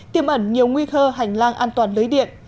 tiêm ẩn nhiều nguy khơ hành lang an toàn lưới điện